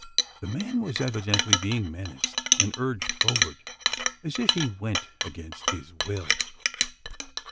The man was evidently being menaced and urged forward as if he went against his will!